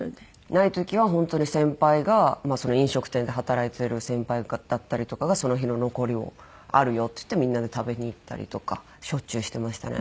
ない時は本当に先輩が飲食店で働いてる先輩だったりとかがその日の残りをあるよっつってみんなで食べに行ったりとかしょっちゅうしてましたね。